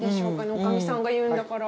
女将さんが言うんだから。